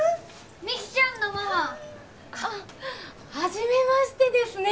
未希ちゃんのママあっはじめましてですね